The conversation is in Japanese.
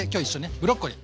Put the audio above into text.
ブロッコリー。